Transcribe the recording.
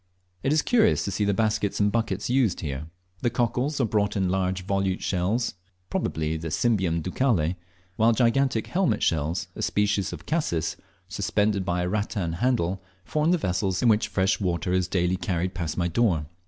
It is curious to see the baskets and buckets used here. The cockles are brought in large volute shells, probably the Cymbium ducale, while gigantic helmet shells, a species of Cassis, suspended by a rattan handle, form the vessels in which fresh water is daily carried past my door.